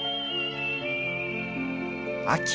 秋。